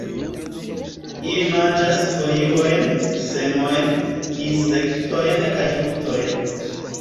Ili manĝas foliojn, semojn, insektojn kaj fruktojn.